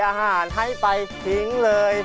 อาหารให้ไปทิ้งเลย